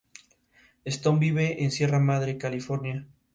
Stone vive en Sierra Madre, California.